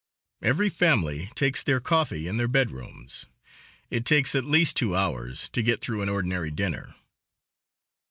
Every family takes their coffee in their bedrooms. It takes at least two hours to get through an ordinary dinner.